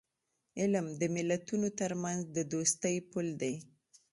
علم د ملتونو ترمنځ د دوستی پل دی.